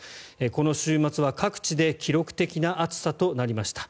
この週末は各地で記録的な暑さとなりました。